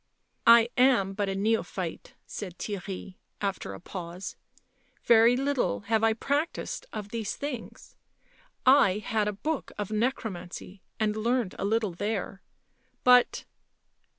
u I am but a neophyte," said Theirry after a pause. " Very little have I practised of these things. I had a book of necromancy and learnt a little there ... but